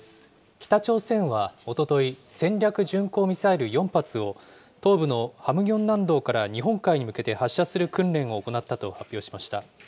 北朝鮮はおととい、戦略巡航ミサイル４発を東部のハムギョン南道から日本海に向けて発射する訓練を行ったと発表しました。